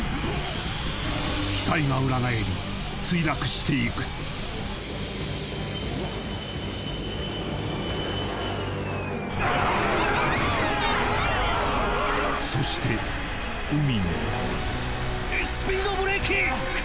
機体が裏返り墜落していくそして海にスピードブレーキ！